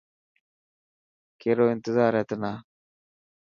ڪيرو انتظار هي تنا.